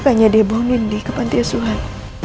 makanya dia buang nindi ke pantai tiaz tuhan